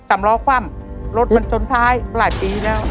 สำล้อคว่ำรถมันชนท้ายหลายปีแล้ว